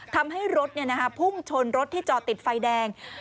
ทำให้รถพุ่งชนรถที่จอดติดไฟแดง